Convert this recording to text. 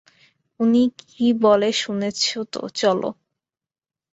উনি কী বলে শুনেছ তো, চলো।